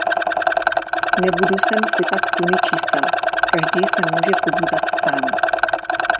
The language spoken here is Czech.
Nebudu sem sypat tuny čísel, každý se může podívat sám.